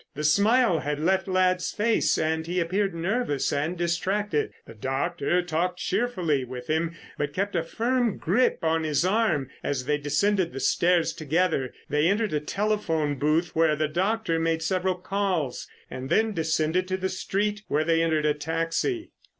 The smile had left Ladd's face and he appeared nervous and distracted. The doctor talked cheerfully with him but kept a firm grip on his arm as they descended the stairs together. They entered a telephone booth where the doctor made several calls, and then descended to the street, where they entered a taxi.